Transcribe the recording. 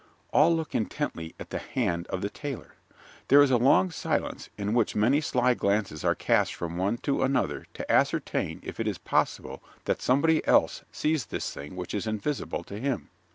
(_All look intently at the hand of the tailor. There is a long silence, in which many sly glances are cast from one to another to ascertain if it is possible that somebody else sees this thing which is invisible to him.